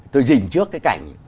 tôi dình trước cái cảnh